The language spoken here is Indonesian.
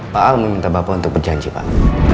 pak aldi minta bapak untuk berjanji pak